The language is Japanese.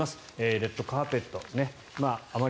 レッドカーペットあまり